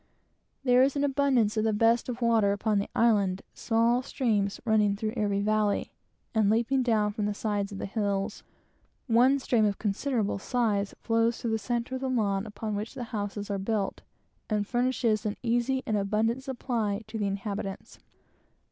There is an abundance of the best of water upon the island, small streams running through every valley, and leaping down from the sides of the hills. One stream of considerable size flows through the centre of the lawn upon which the houses are built, and furnishes an easy and abundant supply to the inhabitants.